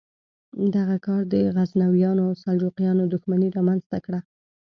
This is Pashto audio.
دغه کار د غزنویانو او سلجوقیانو دښمني رامنځته کړه.